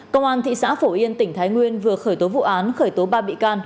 công an thị xã phổ yên tỉnh thái nguyên vừa khởi tố vụ án khởi tố ba bị can